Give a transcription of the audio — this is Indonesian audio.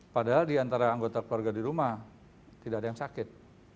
padahal diantara anggota keluarga di rumah tidak ada yang sakit